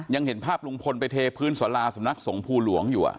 ยังเห็นภาพลุงพลไปเทพื้นสาราสำนักสงภูหลวงอยู่